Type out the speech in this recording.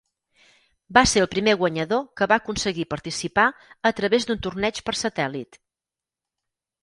Va ser el primer guanyador que va aconseguir participar a través d'un torneig per satèl·lit.